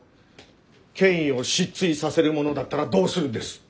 権威を失墜させるものだったらどうするんです？